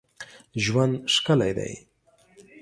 ژوند ښکلی دی.